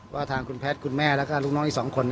ว่าทางคุณแพทย์คุณแม่แล้วก็ลูกน้องอีก๒คน